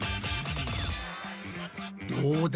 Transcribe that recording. どうだ？